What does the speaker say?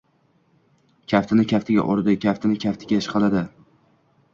Kaftini kaftiga urdi. Kaftini kaftiga ishqadi.